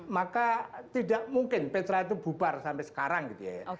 maka tidak mungkin petra itu bubar sampai sekarang gitu ya